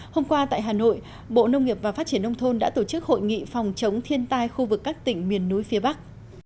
hôm qua tại hà nội bộ nông nghiệp và phát triển nông thôn đã tổ chức hội nghị phòng chống thiên tai khu vực các tỉnh miền núi phía bắc